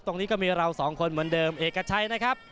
ตรงนี้ก็มีเราสองคนเหมือนเดิมเอกชัยนะครับ